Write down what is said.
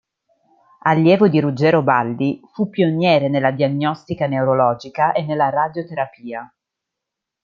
Allievo di Ruggero Balli, fu pioniere nella diagnostica neurologica e nella radioterapia.